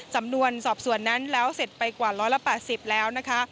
สำนวนสอบสวนนั้นแล้วเสร็จไปกว่า๑๘๐แล้วนะคะ